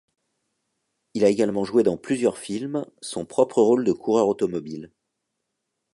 Il a également joué dans plusieurs films son propre rôle de coureur automobile.